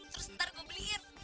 terus ntar gue beliin